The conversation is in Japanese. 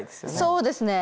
そうですね。